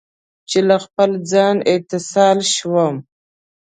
چې له خپل ځان، اتصال شوم